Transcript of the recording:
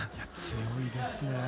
強いですね。